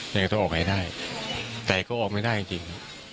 ยังไงก็ต้องออกให้ได้แต่ก็ออกไม่ได้จริง